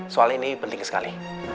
soalnya ini penting sekali